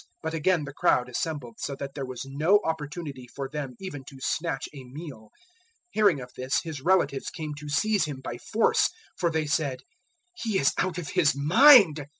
But again the crowd assembled, so that there was no opportunity for them even to snatch a meal. 003:021 Hearing of this, His relatives came to seize Him by force, for they said, "He is out of his mind."